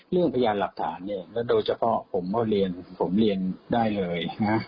เรื่องพยานหลักฐานโดยเฉพาะผมก็เรียนได้เลย